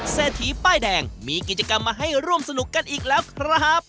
เศรษฐีป้ายแดงมีกิจกรรมมาให้ร่วมสนุกกันอีกแล้วครับ